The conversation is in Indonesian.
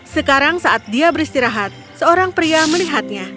sekarang saat dia beristirahat seorang pria melihatnya